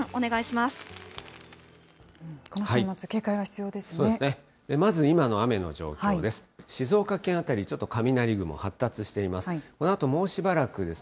まず今の雨の状況です。